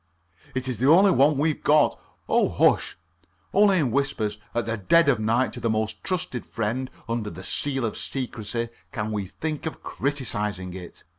It is the only one we've got. Oh, hush! Only in whispers at the dead of night to the most trusted friend under the seal of secrecy can we think of criticizing it.